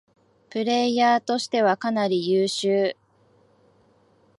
プレイヤーとしてはかなり優秀